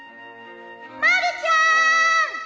まるちゃーん